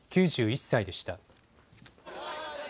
９１歳でした。